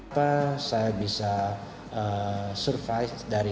apa saya bisa survive dari kertas origami